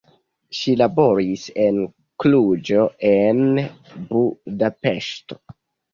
Ŝi laboris en Kluĵo, en Budapeŝto.